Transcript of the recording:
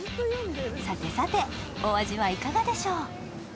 さてさてお味はいかがでしょう。